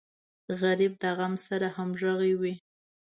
غریب د غم سره همغږی وي